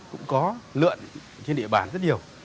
cũng có lượn trên địa bàn rất nhiều